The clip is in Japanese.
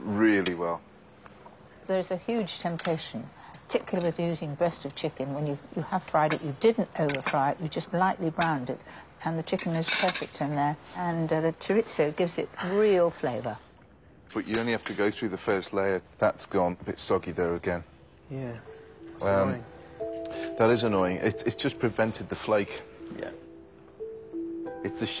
はい。